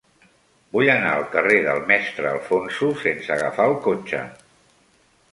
Vull anar al carrer del Mestre Alfonso sense agafar el cotxe.